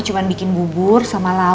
ya kan pa